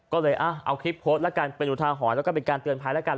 ก็เลยเอาคลิปโพสก์ละกันอูทาหอนแล้วก็ไปการเตือนภัยละกัน